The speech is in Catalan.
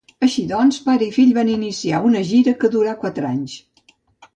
Així doncs, pare i fill van iniciar una gira que durà quatre anys.